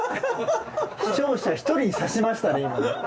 視聴者１人に差しましたね今ね。